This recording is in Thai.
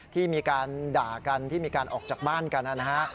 ที่มีการด่ากันที่มีการออกจากบ้านกันนะฮะ